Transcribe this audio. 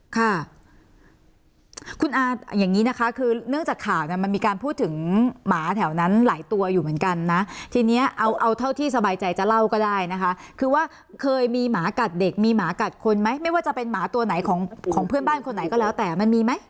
ค่ะคุณอาอย่างนี้นะคะคือเนื่องจากข่าวเนี่ยมันมีการพูดถึงหมาแถวนั้นหลายตัวอยู่เหมือนกันนะทีนี้เอาเอาเท่าที่สบายใจจะเล่าก็ได้นะคะคือว่าเคยมีหมากัดเด็กมีหมากัดคนไหมไม่ว่าจะเป็นหมาตัวไหนของของเพื่อนบ้านคนไหนก็แล้วแต่มันมีไหม